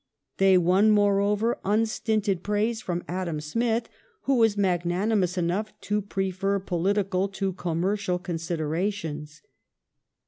They won, moreover, unstinted praise from Adam Smith,^ who was magnanimous enough to prefer political to commercial considerations.